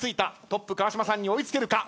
トップ川島さんに追い付けるか？